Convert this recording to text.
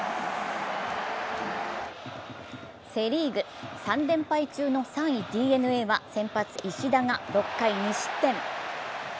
セ・リーグ、３連敗中の３位ＤｅＮＡは先発・石田が６回、２失点。